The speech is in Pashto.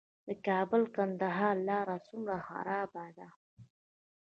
د کابل - کندهار لاره څومره خرابه ده؟